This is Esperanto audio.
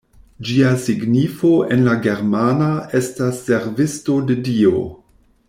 Ĝia signifo en la germana estas «servisto de Dio».